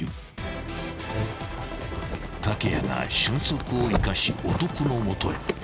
［竹谷が俊足を生かし男の元へ］